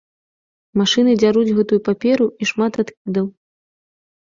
Машыны дзяруць гэтую паперу, і шмат адкідаў.